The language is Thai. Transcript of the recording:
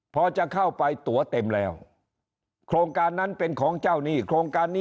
พอจะเข้าไปตัวเต็มแล้วโครงการนั้นเป็นของเจ้าหนี้โครงการนี้